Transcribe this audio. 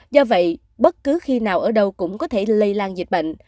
do vậy bất cứ khi nào ở đâu cũng có thể lây lan dịch bệnh